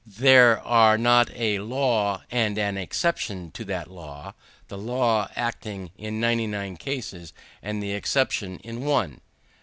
There are not a law and an exception to that law the law acting in ninety nine cases, and the exception in one.